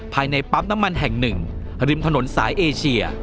ภายในปั๊มน้ำมันแห่งหนึ่งริมถนนสายเอเชีย